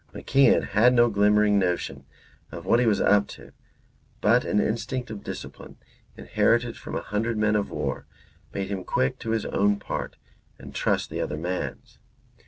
MacIan had no glimmering notion of what he was up to, but an instinct of discipline, inherited from a hundred men of war, made him stick to his own part and trust the other man's.